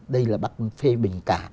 đây là bác phê bình cả